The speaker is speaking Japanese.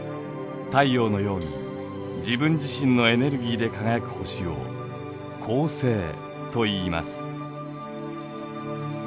太陽のように自分自身のエネルギーで輝く星を恒星といいます。